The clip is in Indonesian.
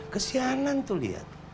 kesianan tuh liat